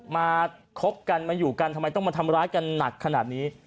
คบกันมาอยู่กันทำไมต้องมาทำร้ายกันหนักขนาดนี้